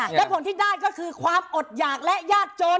และผลที่ได้ก็คือความอดหยากและยากจน